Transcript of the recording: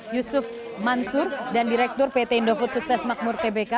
yusuf mansur dan direktur pt indofood sukses makmur tbk